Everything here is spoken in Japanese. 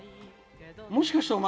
もしかしてお前